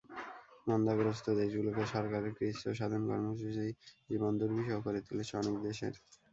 মন্দাগ্রস্ত দেশগুলোর সরকারের কৃচ্ছ্রসাধন কর্মসূচি জীবন দুর্বিষহ করে তুলেছে অনেক দেশের।